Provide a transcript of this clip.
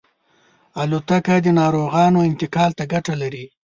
الوتکه د ناروغانو انتقال ته ګټه لري.